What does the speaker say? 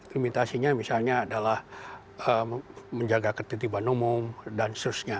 limitasinya misalnya adalah menjaga ketitiban umum dan seterusnya